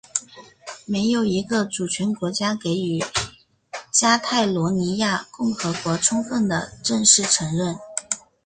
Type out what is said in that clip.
没有一个主权国家给予加泰罗尼亚共和国充分的正式承认。